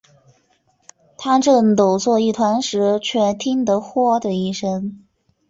他正抖作一团时，却听得豁的一声